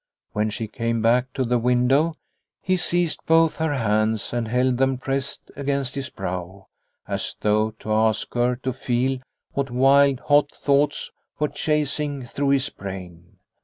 When she came back to the window he seized both her hands and held them pressed against his brow, as though to ask her to feel what wild, hot thoughts were chasing through his brain.